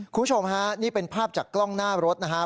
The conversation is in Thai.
คุณผู้ชมฮะนี่เป็นภาพจากกล้องหน้ารถนะครับ